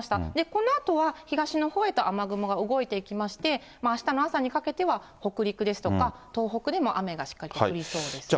このあとは東のほうへと雨雲が動いていきまして、あしたの朝にかけては、北陸ですとか、東北でもしっかりと雨が降りそうです。